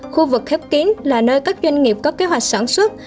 khu vực khép kín là nơi các doanh nghiệp có kế hoạch sản xuất